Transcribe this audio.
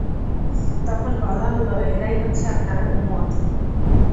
তখন বলা হল, এরাই হচ্ছে আপনার উম্মত।